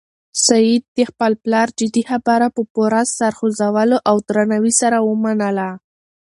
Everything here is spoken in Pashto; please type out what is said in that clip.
سعید د خپل پلار جدي خبره په پوره سر خوځولو او درناوي سره ومنله.